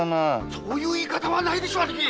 そういう言い方はないでしょう！